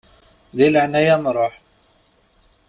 Di leɛnaya-m ṛuḥ.